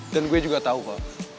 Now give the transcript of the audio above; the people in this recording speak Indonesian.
dan gue juga tau ko